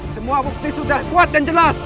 semua bukti sudah kuat dan jelas